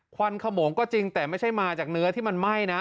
วันขโมงก็จริงแต่ไม่ใช่มาจากเนื้อที่มันไหม้นะ